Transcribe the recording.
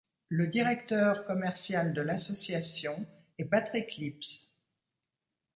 Le directeur commercial de l'association est Patrick Lips.